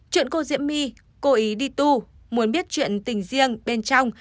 chuyện cô diễm my cô ý đi tu muốn biết chuyện tình riêng bên trong